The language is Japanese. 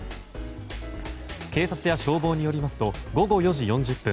警察や消防によりますと午後４時４０分